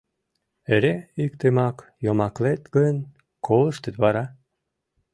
— Эре иктымак йомаклет гын, колыштыт вара?